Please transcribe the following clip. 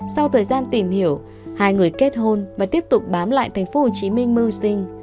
sau thời gian tìm hiểu hai người kết hôn và tiếp tục bám lại thành phố hồ chí minh mưu sinh